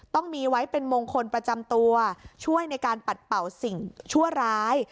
ต้องมีไว้เป็นมงคลประจำตัวช่วยในการปัดเป่าสิ่งชั่วร้าย